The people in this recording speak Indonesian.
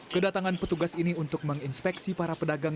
kedatangan petugas ini untuk menginspeksi para pedagang